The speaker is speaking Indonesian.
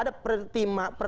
tapi perintah utamanya apa